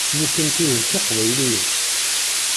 Nitenti d Tiqbayliyin.